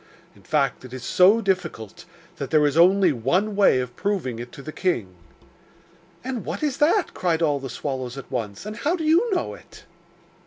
In fact, it is so difficult that there is only one way of proving it to the king.' 'And what is that?' cried all the swallows at once. 'And how do you know it?